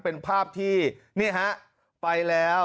เป็นภาพที่นี่ฮะไปแล้ว